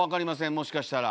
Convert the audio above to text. もしかしたら。